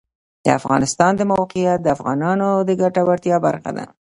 د افغانستان د موقعیت د افغانانو د ګټورتیا برخه ده.